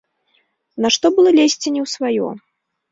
Нашто было лезці не ў сваё.